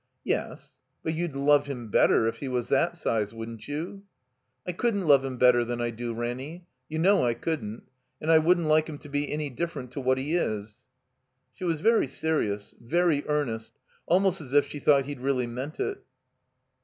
"Yes, but you'd love him better if he was that size, wouldn't you?" "I couldn't love him better than I do, Ranny. You know I couldn't. And I wouldn't like him to be any diflFerent to what he is." She was very serious, very earnest, almost as if she thought he'd really meant it.